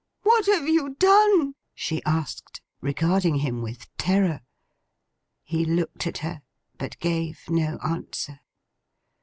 'What have you done?' she asked: regarding him with terror. He looked at her, but gave no answer.